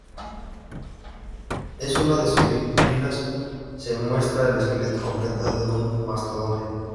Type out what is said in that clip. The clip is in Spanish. En una de sus vitrinas se muestra el esqueleto completo de un mastodonte.